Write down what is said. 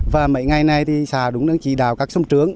và mấy ngày nay thì xà đúng đường chỉ đào các sông trướng